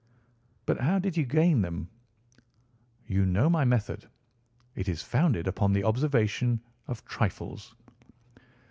"But how did you gain them?" "You know my method. It is founded upon the observation of trifles."